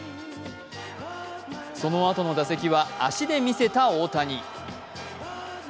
そのあとの打席は、足で見せた大谷。